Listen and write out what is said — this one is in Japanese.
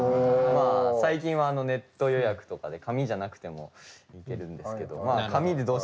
まあ最近はネット予約とかで紙じゃなくてもいけるんですけど紙でどうしても出したいってね